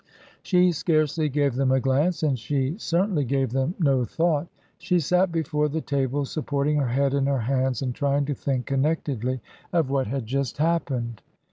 She scarcely gave them a glance, and she certainly gave them no thought. She sat before the table, supporting her head in her hands and trying to think connectedly of what had just happened.